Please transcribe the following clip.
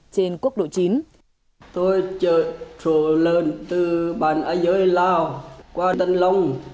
trên quốc độ chín